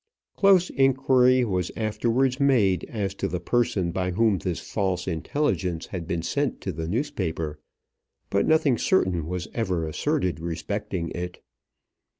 Close inquiry was afterwards made as to the person by whom this false intelligence had been sent to the newspaper, but nothing certain was ever asserted respecting it.